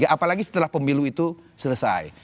apalagi setelah pemilu itu selesai